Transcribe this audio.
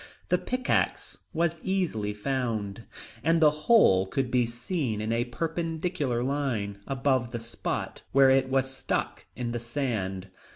The pickaxe was easily found, and the hole could be seen in a perpendicular line above the spot where it was stuck in the sand.